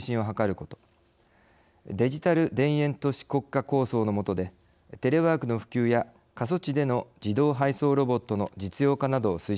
デジタル田園都市国家構想のもとでテレワークの普及や過疎地での自動配送ロボットの実用化などを推進すること。